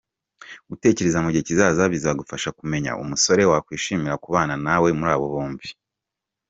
Gutekereza mu gihe kizaza bizagufasha kumenya umusore wakishimira kubana nawe muri abo bombi.